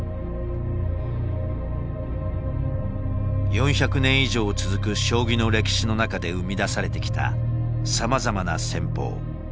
４００年以上続く将棋の歴史の中で生み出されてきたさまざまな戦法。